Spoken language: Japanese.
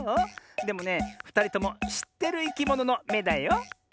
でもねふたりともしってるいきもののめだよ。